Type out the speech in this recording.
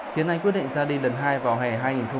khiến anh quyết định ra đi lần hai vào hè hai nghìn một mươi tám